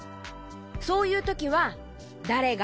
そういうときは「だれが」